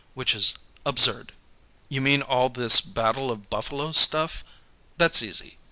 Which is absurd." "You mean all this Battle of Buffalo stuff? That's easy.